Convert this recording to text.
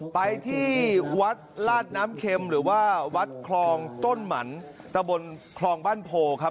ไปที่วัดลาดน้ำเข็มหรือว่าวัดคลองต้นหมันตะบนคลองบ้านโพครับ